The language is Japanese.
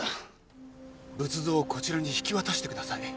仏像をこちらに引き渡してください。